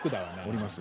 おります。